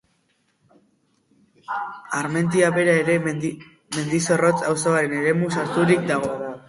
Armentia bera ere Mendizorrotz auzoaren eremuan sarturik dago.